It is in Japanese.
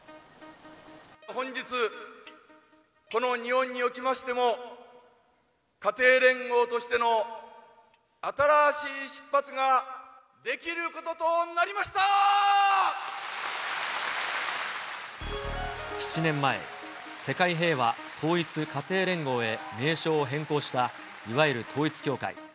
本日、この日本におきましても、家庭連合としての新しい出発ができることとなりましたー！７年前、世界平和統一家庭連合へ名称を変更した、いわゆる統一教会。